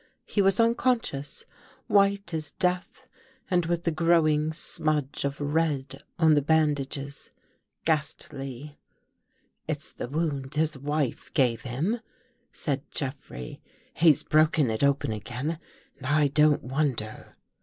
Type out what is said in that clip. He was unconscious — white as death, and with the growing smudge of red on the bandages, ghastly. " It's the wound his wife gave him," said Jeff rey. " He's broken It open again and I don't wonder."